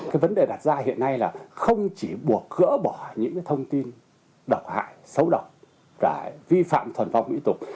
cái vấn đề đặt ra hiện nay là không chỉ buộc gỡ bỏ những thông tin độc hại xấu độc và vi phạm thuần vọng ủy tục